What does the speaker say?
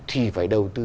thì phải đầu tư